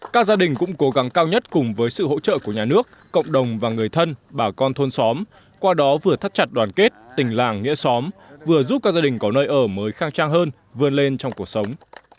các gia đình cũng cố gắng cao nhất cùng với sự hỗ trợ của nhà nước cộng đồng và người thân bà con thôn xóm qua đó vừa thắt chặt đoàn kết tình làng nghĩa xóm vừa giúp các gia đình có nơi ở mới khang trang hơn vươn lên trong cuộc sống